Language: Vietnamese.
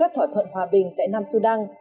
thỏa thuận hòa bình tại nam sudan